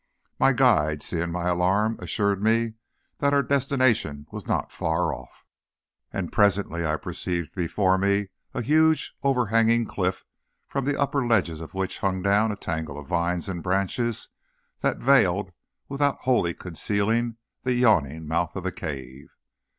My guide, seeing my alarm, assured me that our destination was not far off, and presently I perceived before me a huge overhanging cliff, from the upper ledges of which hung down a tangle of vines and branches that veiled, without wholly concealing, the yawning mouth of a cave.